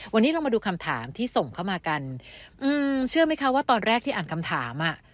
วันนี้เรามาดูคำถามที่ส่งเข้ามากันอืมเชื่อไหมคะว่าตอนแรกที่อ่านคำถามอ่ะ